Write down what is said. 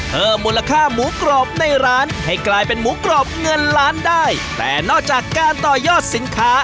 เพิ่มมูลค่าหมูกรอบในร้านให้กลายเป็นหมูกรอบเงินล้านได้แต่นอกจากการต่อยอดสินค้า